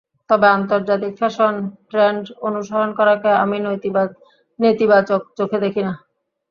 তবে আন্তর্জাতিক fashion trend অনুসরণ করাকে আমি নেতিবাচক চোখে দেখি না।